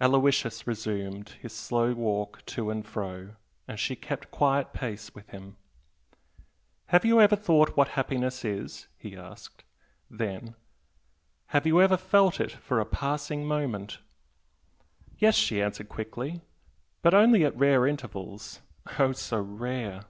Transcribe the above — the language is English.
Aloysius resumed his slow walk to and fro, and she kept quiet pace with him. "Have you ever thought what happiness is?" he asked, then "Have you ever felt it for a passing moment?" "Yes" she answered quickly "But only at rare intervals oh so rare!..."